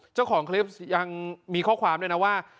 เจ้าของคลิปยังมีข้อความด้วยนะว่า